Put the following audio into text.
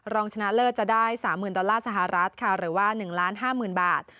รองชนะเลิศจะได้๓๐๐๐ดอลลาร์สหรัฐค่ะหรือว่า๑๕๐๐๐บาท